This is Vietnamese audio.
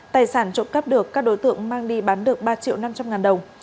tài sản trộm cắp được các đối tượng mang đi bán được ba triệu năm trăm linh ngàn đồng